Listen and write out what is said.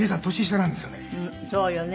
そうよね。